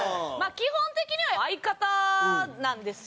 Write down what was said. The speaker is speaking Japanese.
基本的には相方なんですよ。